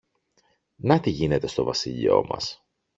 Να τι γίνεται στο βασίλειο μας!